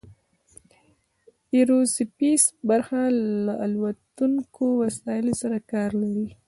ایرو سپیس برخه له الوتونکو وسایلو سره کار لري.